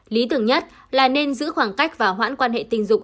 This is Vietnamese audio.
lý tưởng nhất là nên giữ khoảng cách và hoãn quan hệ tình dục